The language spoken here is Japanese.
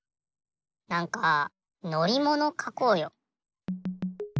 なんかのりものかこうよ。